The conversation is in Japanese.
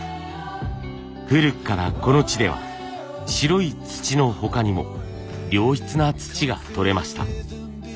古くからこの地では白い土の他にも良質な土が採れました。